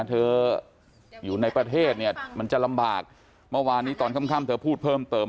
อยู่ในประเทศเนี่ยมันจะลำบากเมื่อวานนี้ตอนค่ำเธอพูดเพิ่มเติม